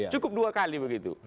cukup dua kali begitu